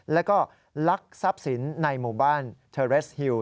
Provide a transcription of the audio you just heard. แล้วก็ลักทรัพย์สินในหมู่บ้านเทอร์เรสฮิว